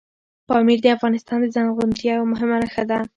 پامیر د افغانستان د زرغونتیا یوه مهمه نښه ده.